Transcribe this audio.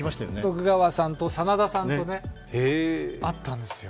徳川さんと真田さんと会ったんですよ。